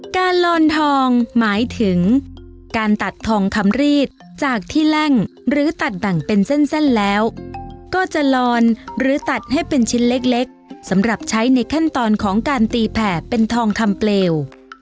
ลอนทองหมายถึงการตัดทองคำรีดจากที่แล่งหรือตัดแบ่งเป็นเส้นแล้วก็จะลอนหรือตัดให้เป็นชิ้นเล็กสำหรับใช้ในขั้นตอนของการตีแผ่เป็นทองคำเปลว